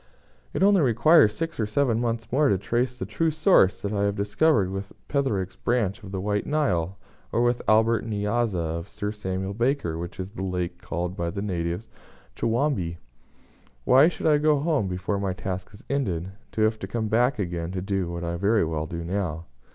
It only requires six or seven months more to trace the true source that I have discovered with Petherick's branch of the White Nile, or with the Albert N'Yanza of Sir Samuel Baker, which is the lake called by the natives 'Chowambe.' Why should I go home before my task is ended, to have to come back again to do what I can very well do now?"